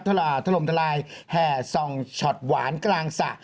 ทะลมทะลายแห่ส่องฉอดหวานกลางสะ